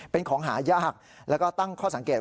เป็นของหายากแล้วก็ตั้งข้อสังเกต